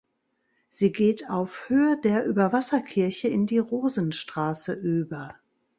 Sie geht auf Höhe der Überwasserkirche in die "Rosenstraße" über.